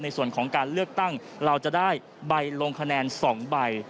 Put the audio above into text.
ในส่วนของการเลือกตั้งเราจะได้ใบลงคะแนน๒ใบ